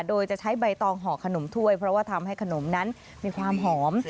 โดยจะใช้ใบตองห่อขนมถ้วยเพราะว่าทำให้ขนมนั้นมีความหอม